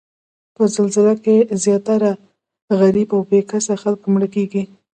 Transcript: په زلزله کې زیاتره غریب او بې وسه خلک مړه کیږي